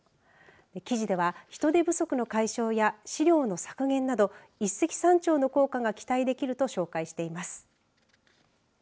記事では人手不足の解消や飼料の削減など一石三鳥の効果が期待できると紹介しています。